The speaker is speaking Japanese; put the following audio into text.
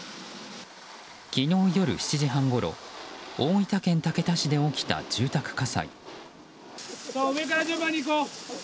昨日夜７時半ごろ大分県竹田市で起きた住宅火災。